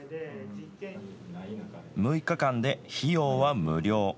６日間で、費用は無料。